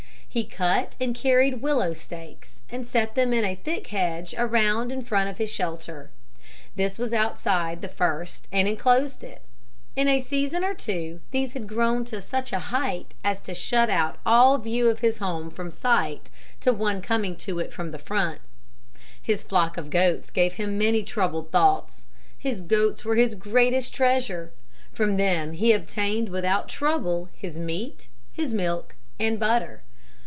He cut and carried willow stakes and set them in a thick hedge around in front of his shelter. This was outside the first and enclosed it. In a season or two these had grown to such a height as to shut out all view of his home from sight to one coming to it from the front. His flock of goats gave him many troubled thoughts. His goats were his greatest treasure. From them he obtained without trouble his meat, his milk and butter.